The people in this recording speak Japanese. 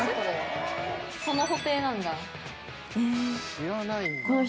その「布袋」なんだ。